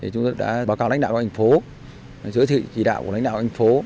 chúng tôi đã báo cáo lãnh đạo của lãnh phố giới thiệu chỉ đạo của lãnh đạo của lãnh phố